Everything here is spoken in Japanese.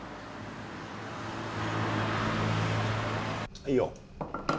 はいよ。